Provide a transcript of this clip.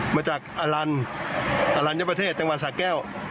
มาจากอลันยะประเทศสังเกต